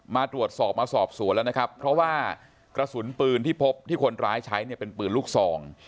มาตรวจสอบมาสอบสวนแล้วนะครับเพราะว่ากระสุนปืนที่พบที่คนร้ายใช้เนี่ยเป็นปืนลูกซอง